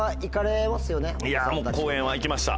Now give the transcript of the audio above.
いやぁ公園は行きました